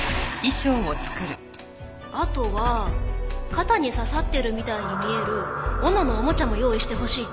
あとは肩に刺さってるみたいに見える斧のおもちゃも用意してほしいって。